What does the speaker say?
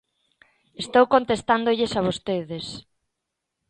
Estou contestándolles a vostedes.